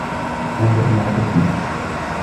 عاد إلى قسمه.